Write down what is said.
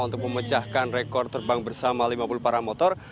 untuk memecahkan rekor terbang bersama lima puluh paramotor